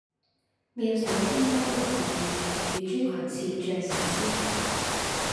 妙手天工龍鳳宴，乳豬裙翅醉神仙